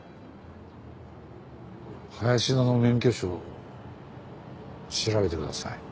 林田の免許証を調べてください。